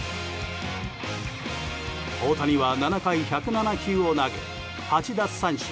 大谷は７回１０７球を投げ８奪三振